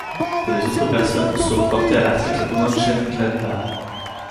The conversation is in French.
Pour les autres personnes, se reporter à l'article Mönchengladbach.